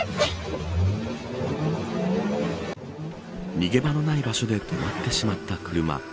逃げ場のない場所で止まってしまった車。